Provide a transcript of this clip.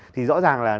thì rõ ràng là